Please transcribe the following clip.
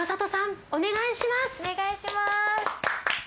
お願いします。